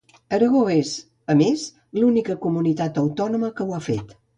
Aragó és, a més, l'única Comunitat Autònoma que ho ha fet.